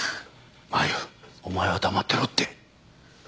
麻由お前は黙ってろって。